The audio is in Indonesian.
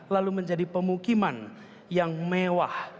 lalu menjadi pemukiman yang mewah